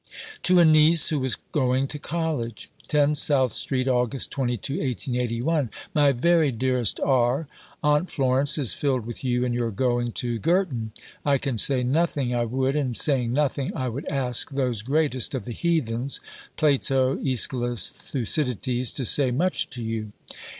(To a niece, who was going to College.) 10 SOUTH STREET, August 22 . MY VERY DEAREST R. Aunt Florence is filled with you and your going to Girton. I can say nothing I would and, saying nothing, I would ask those greatest of the "heathens" Plato, Aeschylus, Thucydides to say much to you.